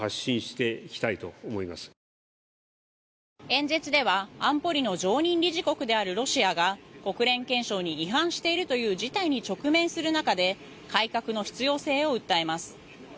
演説では、安保理の常任理事国であるロシアが国連憲章に違反しているという事態に直面する中で改革の必要性を訴えます。